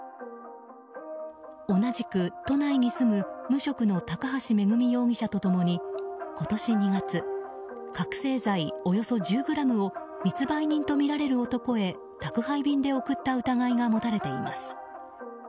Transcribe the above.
同じく都内に住む無職の高橋めぐみ容疑者と共に今年２月、覚醒剤およそ１０ｇを密売人とみられる男へ宅配便で送った疑いが持たれています。